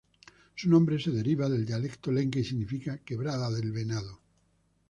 Su nombre se deriva del dialecto lenca y significa "Quebrada del venado".